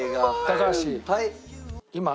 高橋。